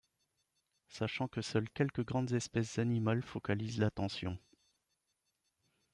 Sachant que seules quelques grandes espèces animales focalisent l'attention.